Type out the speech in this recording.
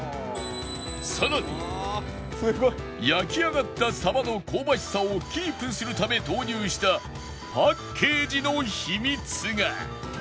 さらに焼き上がったさばの香ばしさをキープするため投入したパッケージの秘密が